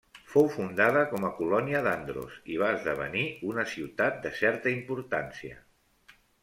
Fou fundada com a colònia d'Andros i va esdevenir una ciutat de certa importància.